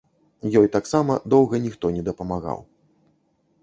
Ёй таксама доўга ніхто не дапамагаў.